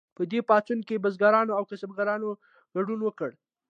په دې پاڅون کې بزګرانو او کسبګرو ګډون وکړ.